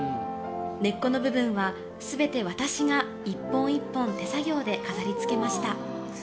根っこの部分は、すべて私が一本一本、手作業で飾りつけました。